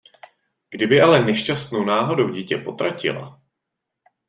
Kdyby ale nešťastnou náhodou dítě potratila...